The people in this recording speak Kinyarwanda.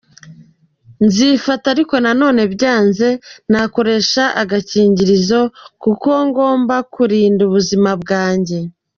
nzifata ariko na none byanze nakoresha agakingirizo, kuko ngomba kurinda ubuzima bwanjye.